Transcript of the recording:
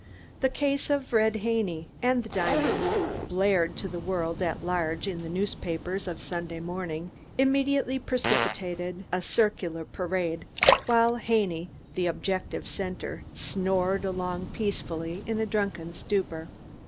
The case of Red Haney and the diamonds, blared to the world at large in the newspapers of Sunday morning, immediately precipitated a circular parade, while Haney, the objective center, snored along peacefully in a drunken stupor.